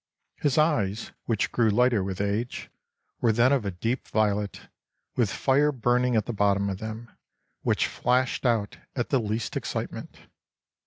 His eyes, which grew lighter with age, were then of a deep violet, with fire burning at the bottom of them, which flashed out at the least excitement.